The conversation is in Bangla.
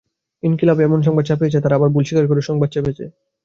ইনকিলাব এমন সংবাদ ছাপিয়ে তারা আবার ভুল স্বীকার করে সংবাদ ছেপেছে।